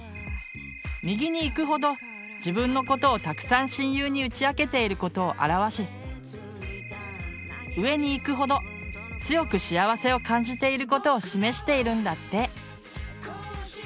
右にいくほど自分のことをたくさん親友に打ち明けていることを表し上にいくほど強く幸せを感じていることを示しているんだって。